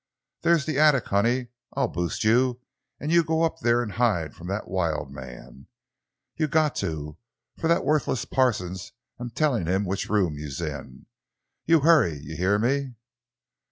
"There's the attic, honey. I'll boost you, an' you go up there an' hide from that wild man. You got to, for that worfless Parsons am tellin' him which room you's in. You hurry—you heah me!"